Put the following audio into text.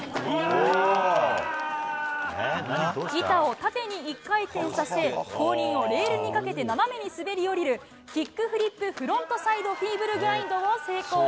板を縦に１回転させ、後輪をレールにかけて、斜めに滑り落ちるキックフリップフロントサイドフィーブルグラインドを成功。